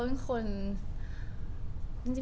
คือเป็นอะไรอย่างเชื่อ